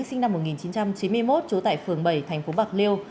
sinh năm một nghìn chín trăm chín mươi một trú tại phường bảy thành phố bạc liêu